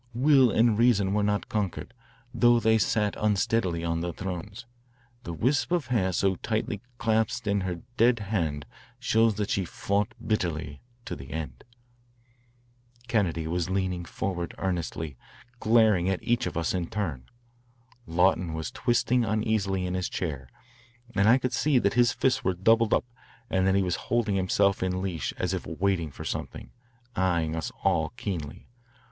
Will and reason were not conquered, though they sat unsteadily on their thrones. The wisp of hair so tightly clasped in her dead hand shows that she fought bitterly to the end." Kennedy was leaning forward earnestly, glaring at each of us in turn. Lawton was twisting uneasily in his chair, and I could see that his fists were doubled up and that he was holding himself in leash as if waiting for something, eyeing us all keenly.